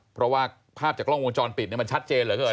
เพราะว่าภาพจากกล้องวงจรปิดมันชัดเจนเหลือเกิน